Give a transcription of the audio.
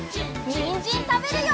にんじんたべるよ！